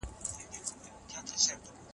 د خپلوانو له لاسه ورکول د ژوند برخه ده.